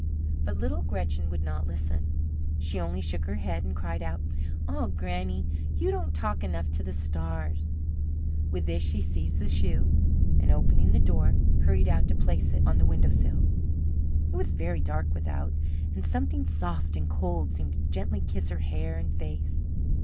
But little Gretchen would not listen. She only shook her head and cried out: "Ah, Granny, you don't talk enough to the stars." With this she seized the shoe, and, opening the door, hurried out to place it on the windowsill. It was very dark without, and something soft and cold seemed to gently kiss her hair and face.